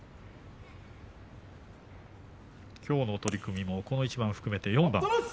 きょうの取組もこの一番含めて４番。